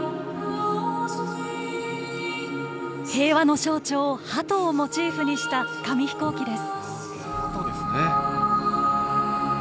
平和の象徴はとをモチーフにした紙飛行機です。